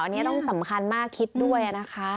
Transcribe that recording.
อันนี้ต้องสำคัญมากคิดด้วยนะคะ